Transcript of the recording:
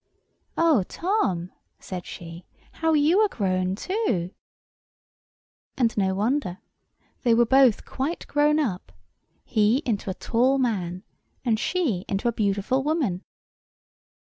"Oh, Tom," said she, "how you are grown too!" [Picture: Ellie] And no wonder; they were both quite grown up—he into a tall man, and she into a beautiful woman.